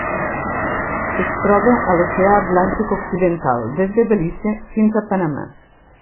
Es troba a l'Oceà Atlàntic occidental: des de Belize fins a Panamà.